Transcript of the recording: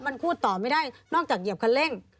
มันพูดต่อไม่ได้นอกจากเหยียบคันเร่ง